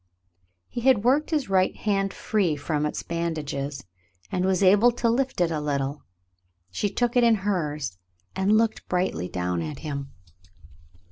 He had worked his right hand free from its bandages and was able to lift it a little. She took it in hers, and looked brightly down at him.